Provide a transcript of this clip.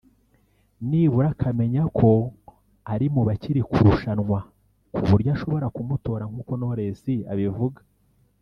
nibura akamenya ko ari mu bakiri ku rushanwa ku buryo ashobora kumutora nk’uko Knowless abivuga